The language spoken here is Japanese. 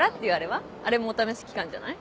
あれもお試し期間じゃない？